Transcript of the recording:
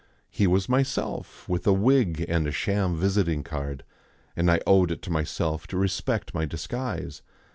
He was myself with a wig and a sham visiting card, and I owed it to myself to respect my disguise.